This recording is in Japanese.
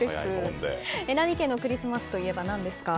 榎並家のクリスマスといえば何ですか？